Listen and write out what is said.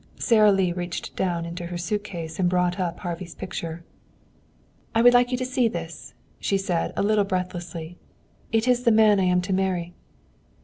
Sara Lee reached down into her suitcase and brought up Harvey's picture. "I would like you to see this," she said a little breathlessly. "It is the man I am to marry."